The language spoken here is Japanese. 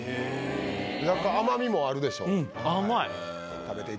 なんか甘みもあるでしょ。